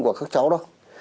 của các cháu đâu